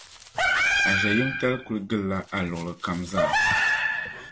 A ʒiɛyimtali kul gilila a luɣili kam zaa.